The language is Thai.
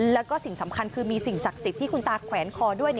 แล้วก็สิ่งสำคัญคือมีสิ่งศักดิ์สิทธิ์ที่คุณตาแขวนคอด้วย